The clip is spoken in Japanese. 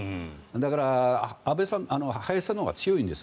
だから、林さんのほうが強いんです。